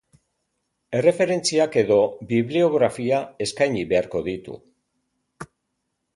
Erreferentziak edo bibliografia eskaini beharko ditu.